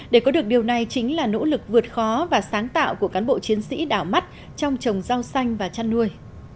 để có được điều này chính là nỗ lực vượt khó và sáng tạo của cán bộ chiến sĩ đảo mắt trong trồng rau xanh và chăn nuôi